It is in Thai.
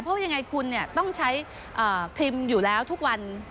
เพราะยังไงคุณต้องใช้ครีมอยู่แล้วทุกวัน